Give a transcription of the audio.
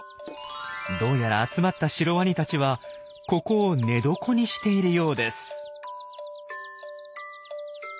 どうやら集まったシロワニたちはここを寝床にしているようです。